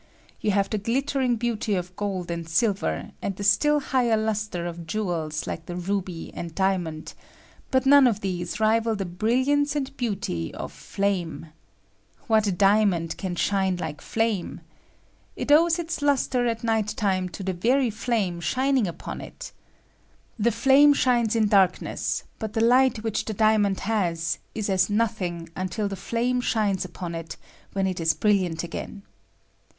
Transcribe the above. You have the guttering beauty of gold and silver, and the still higher lustre of jewels lito the ruby and diamond ; but none of these rival the bril hancy and beauty of flame. What diamond can shine Uke flame ? It owes its lustre at night time to the very flame shining upon it. The flame shines in dariaiess, but the light which the diamond has is as nothing untfl the flame shines upon it, when it is brilliant again.